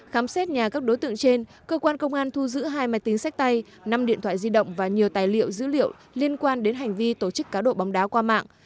khám xét nhà các đối tượng trên cơ quan công an thu giữ hai máy tính sách tay năm điện thoại di động và nhiều tài liệu dữ liệu liên quan đến hành vi tổ chức cá độ bóng đá qua mạng